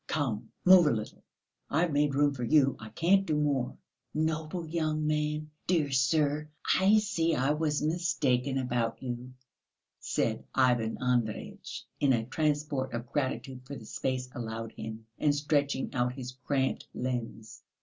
Come, move a little! I've made room for you, I can't do more!" "Noble young man! Dear sir! I see I was mistaken about you," said Ivan Andreyitch, in a transport of gratitude for the space allowed him, and stretching out his cramped limbs.